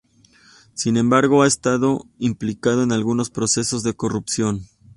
Sin embargo ha estado implicado en algunos procesos de corrupción.